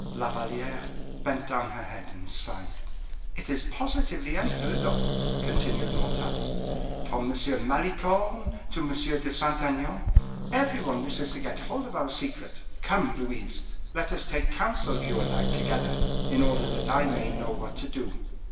La Valliere bent down her head and sighed. "It is positively unheard of," continued Montalais; "from M. Malicorne to M. de Saint Aignan, every one wishes to get hold of our secret. Come, Louise, let us take counsel, you and I, together, in order that I may know what to do."